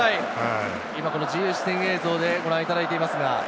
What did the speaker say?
自由視点映像でご覧いただいています。